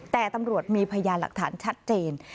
แต่ตำรวจมีพยานหลักฐานชัดเจน